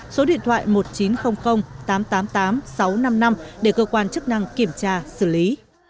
số điện thoại một nghìn chín trăm linh tám trăm tám mươi tám sáu trăm năm mươi năm để cơ quan chức năng kiểm tra xử lý